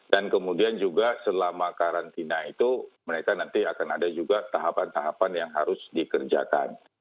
dan kemudian juga selama karantina itu mereka nanti akan ada juga tahapan tahapan yang harus dikerjakan